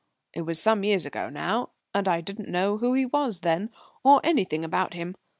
"It was some years ago now, and I didn't know who he was then, or anything about him.